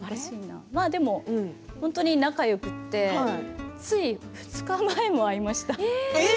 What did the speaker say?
でも本当に仲がよくてつい２日前も会いました。